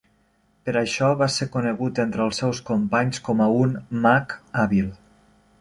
Per això, va ser conegut entre els seus companys com a un mag hàbil.